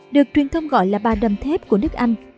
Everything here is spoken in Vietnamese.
được truyền thông gọi là bà đầm thép của nước anh